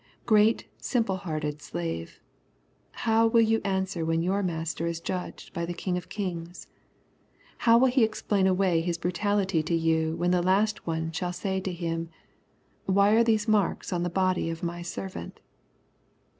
Great simple hearted slave! How will you answer when your master is judged by the King of Kings? How will he explain away his brutality to you when at last One shall say to him, "Why are these marks on the body of my servant?"